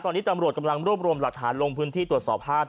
ตอนนี้ตำรวจกำลังรวบรวมหลักฐานลงพื้นที่ตรวจสอบภาพ